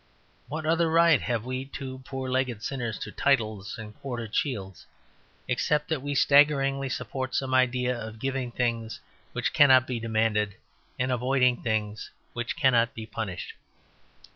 What other right have we poor two legged sinners to titles and quartered shields except that we staggeringly support some idea of giving things which cannot be demanded and avoiding things which cannot be punished?